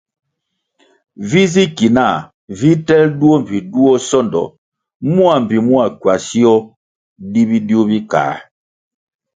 Vi zi ki nah vi telʼ duo pe sondo mua mbpi mua kwasio di bidiu bi kā.